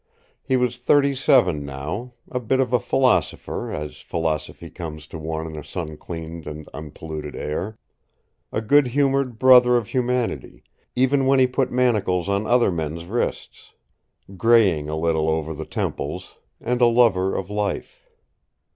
He was thirty seven now. A bit of a philosopher, as philosophy comes to one in a sun cleaned and unpolluted air, A good humored brother of humanity, even when he put manacles on other men's wrists; graying a little over the temples and a lover of life.